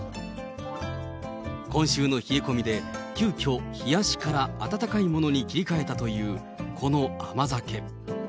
今週の冷え込みで、急きょ、冷やしから温かいものに切り替えたというこの甘酒。